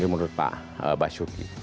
ini menurut pak basuki